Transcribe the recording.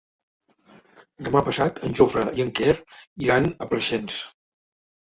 Demà passat en Jofre i en Quer iran a Preixens.